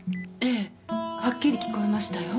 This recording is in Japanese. ええはっきり聞こえましたよ。